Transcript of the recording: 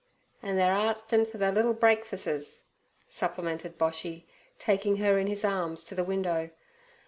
'An' they're arstin' fer their liddle break fusses,' supplemented Boshy, taking her in his arms to the window.